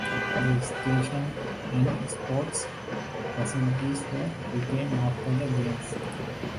The station and sports facilities were retained after the games.